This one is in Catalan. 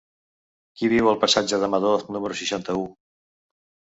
Qui viu al passatge de Madoz número seixanta-u?